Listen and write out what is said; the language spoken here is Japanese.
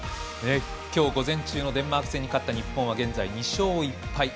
きょう午前中のデンマーク戦に勝った日本は現在２勝１敗。